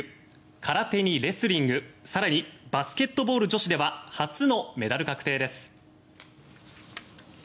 空手にレスリング更にバスケットボール女子では初のメダル確定です。